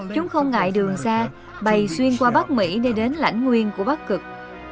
chúng không ngại đường xa bày xuyên qua bắc mỹ để đến lãnh nguyên của bắc cực